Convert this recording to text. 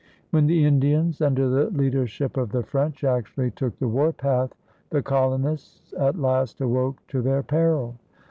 When the Indians under the leadership of the French actually took the warpath, the colonists at last awoke to their peril.